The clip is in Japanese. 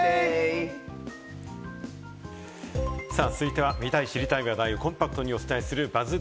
続いては見たい、知りたい話題をコンパクトにお伝えするＢＵＺＺ